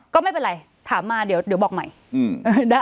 ก็ไม่เป็นไรถามมาเดี๋ยวบอกใหม่ได้